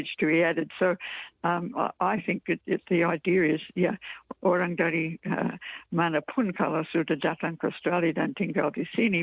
jadi saya pikir ideannya adalah ya orang dari mana pun kalau sudah datang ke australia dan tinggal di sini